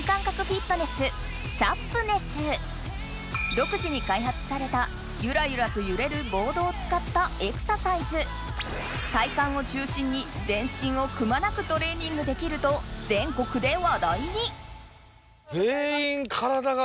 独自に開発されたゆらゆらと揺れるボードを使ったエクササイズ体幹を中心にくまなくと全国で話題にホント。